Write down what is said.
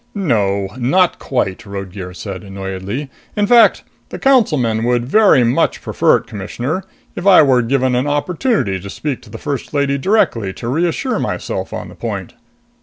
"No, not quite," Roadgear said annoyedly. "In fact, the Councilmen would very much prefer it, Commissioner, if I were given an opportunity to speak to the First Lady directly to reassure myself on the point."